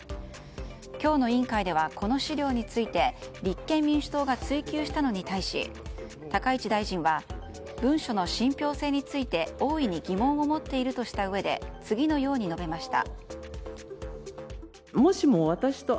今日の委員会ではこの資料について立憲民主党が追及したのに対し高市大臣は文書の信憑性について大いに疑問を持っているとしたうえで次のように述べました。